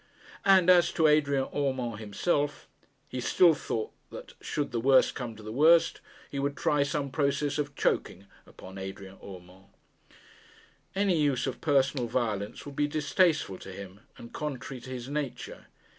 And as to Adrian Urmand himself ; he still thought that, should the worst come to the worst, he would try some process of choking upon Adrian Urmand. Any use of personal violence would be distasteful to him and contrary to his nature.